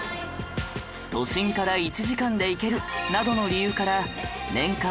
都心から１時間で行けるなどの理由から年間